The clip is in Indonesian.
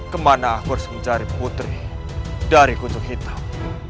kemana aku harus mencari putri dari kucuk hitam